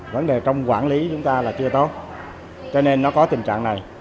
vấn đề trong quản lý chúng ta là chưa tốt cho nên nó có tình trạng này